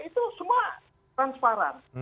itu semua transparan